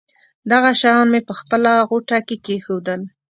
دغه شیان مې په خپله غوټه کې کېښودل.